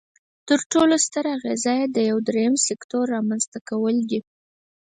تر ټولو ستر اغیز یې د یو دریم سکتور رامینځ ته کول دي.